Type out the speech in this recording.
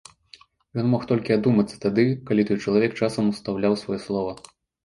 Ён мог толькі адумацца тады, калі той чалавек часам устаўляў сваё слова.